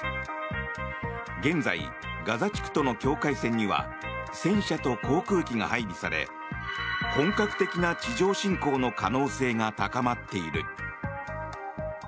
現在、ガザ地区との境界線には戦車と航空機が配備され本格的な地上侵攻の可能性が高まっている。